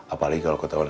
apalagi kalau ketahuan